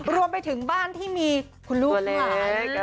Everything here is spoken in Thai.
รวมไปถึงบ้านที่มีคุณลูกทั้งหลาย